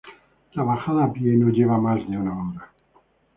La bajada a pie no lleva más de una hora.